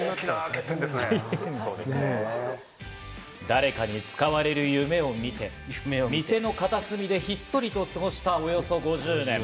誰かに使われる日を夢見て、店の片隅にひっそりと過ごした、およそ５０年。